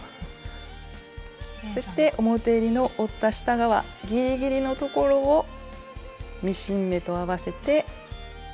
そして表えりの折った下側ギリギリのところをミシン目と合わせて待ち針で留めます。